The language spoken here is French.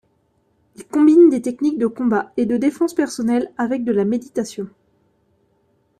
Il combine des techniques de combat et de défense personnelle avec de la méditation.